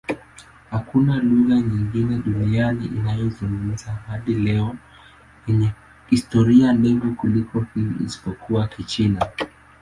Hakuna lugha nyingine duniani inayozungumzwa hadi leo yenye historia ndefu kuliko hii, isipokuwa Kichina.